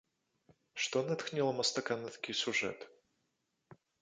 Што натхніла мастака на такі сюжэт?